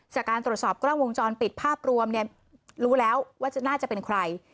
จากการตรวจสอบกล้องวงจรปิดภาพรวมเนี่ยรู้แล้วว่าน่าจะเป็นใคร